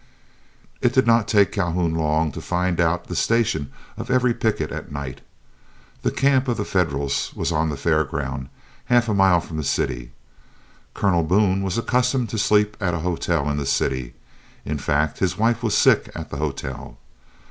It did not take Calhoun long to find out the station of every picket at night. The camp of the Federals was on the fair ground, half a mile from the city. Colonel Boone was accustomed to sleep at a hotel in the city; in fact, his wife was sick at the hotel.